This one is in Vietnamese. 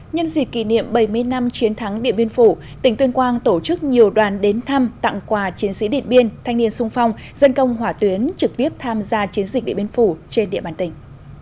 nhân dịp kỷ niệm bảy mươi năm chiến thắng điện biên phủ tỉnh tuyên quang tổ chức nhiều đoàn đến thăm tặng quà chiến sĩ điện biên thanh niên sung phong dân công hỏa tuyến trực tiếp tham gia chiến dịch điện biên phủ trên địa bàn tỉnh